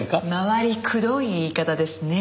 回りくどい言い方ですね。